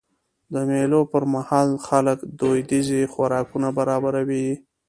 د مېلو پر مهال خلک دودیز خوراکونه برابروي.